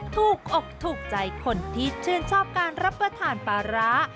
ถูกอกถูกใจคนที่ชื่นชอบการรับประทานปลาร้า